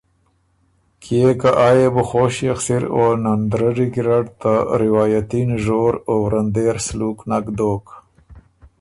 کيې که آ يې بو خوشيې خسِر او نندرَرّي ګیرډ ته روائتي نژور او ورندېر سلوک نک دوک